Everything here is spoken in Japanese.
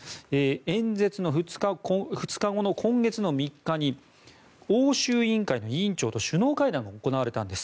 演説の２日後の今月３日に欧州委員会の委員長と首脳会談が行われたんです。